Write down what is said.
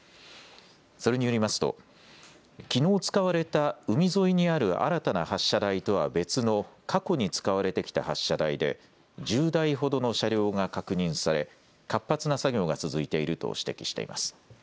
それによりますときのう使われた海沿いにある新たな発射台とは別の過去に使われてきた発射台で１０台ほどの車両が確認され、活発な作業が続いていると指摘しています。